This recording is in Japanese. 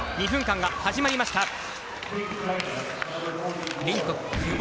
２分間が始まりました。